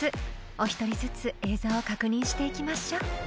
［お一人ずつ映像を確認していきましょう］